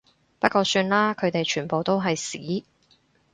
不過算啦，佢哋全部都係屎